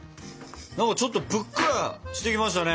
何かちょっとぷっくらしてきましたね。